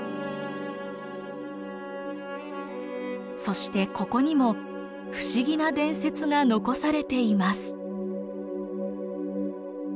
そしてここにも不思議な伝説が残されています。